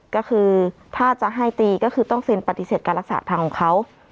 ก็คือถ้าจะให้ตีก็คือต้องเซ็นปฏิเสธการรักษาทางของเขา